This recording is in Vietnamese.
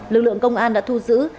lực lượng công an đã thu giữ